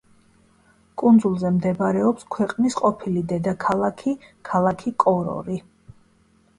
კუნძულზე მდებარეობს ქვეყნის ყოფილი დედაქალაქი, ქალაქი კორორი.